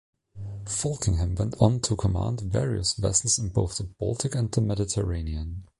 Falkingham went on to command various vessels in both the Baltic and the Mediterranean.